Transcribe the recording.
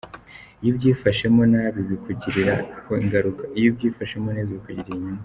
Iyo ubyifashemo nabi bikugiraho ingaruka, iyo wabyifashemo neza bigira inyungu.